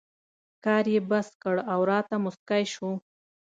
کار یې بس کړ او راته مسکی شو.